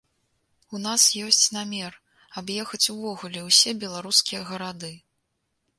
У нас ёсць намер, аб'ехаць увогуле ўсе беларускія гарады.